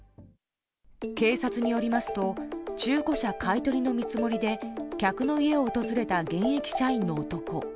警察によりますと中古車買い取りの見積もりで客の家を訪れた現役社員の男。